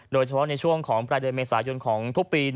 โดยเฉพาะในช่วงของปลายเดือนเมษายนของทุกปี